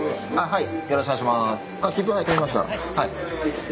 はい。